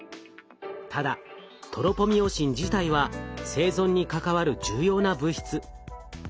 ただトロポミオシン自体は生存に関わる重要な物質。